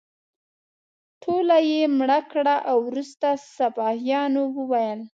ټوله یې مړه کړه او وروسته سپاهیانو وویل.